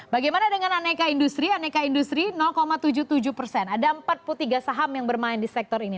bagaimana dengan aneka industri aneka industri tujuh puluh tujuh persen ada empat puluh tiga saham yang bermain di sektor ini